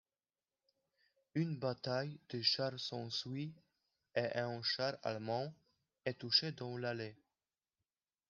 Une bataille de chars s'ensuit et un char allemand est touché dans l'allée.